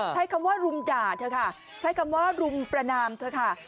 ใช้คำว่ารุมด่าเถอะค่ะใช้คำว่ารุมประนามเถอะค่ะ